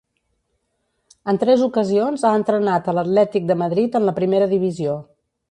En tres ocasions ha entrenat a l'Atlètic de Madrid en la primera divisió.